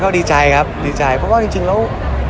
ก็ดีใจครับดีใจเพราะว่าจริงแล้ว